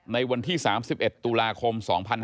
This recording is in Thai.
ในวันที่๓๑ตุลาคม๒๕๖๒